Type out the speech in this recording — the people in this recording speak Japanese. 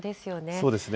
そうですね。